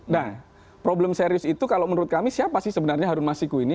nah problem serius itu kalau menurut kami siapa sih sebenarnya harun masiku ini